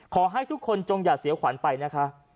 ขอให้ทุกคนจงอย่าเสียขวัญไปนะคะ